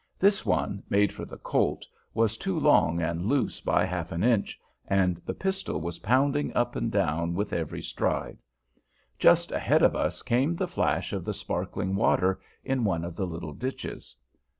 This one, made for the Colt, was too long and loose by half an inch, and the pistol was pounding up and down with every stride. Just ahead of us came the flash of the sparkling water in one of the little ditches.